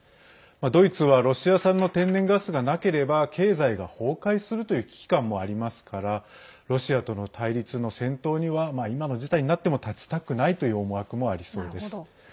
ドイツはロシア産の天然ガスがなければ経済が崩壊するという危機感もありますからロシアとの対立の先頭には今の事態になっても立ちたくないという思惑もありそうです。